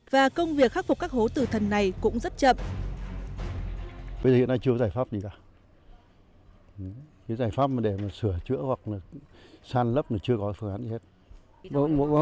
và công việc khắc phục các hố tử thần này cũng rất chậm